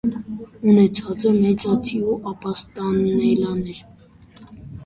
Ունեցած է մեծաթիւ ապաստանեալներ։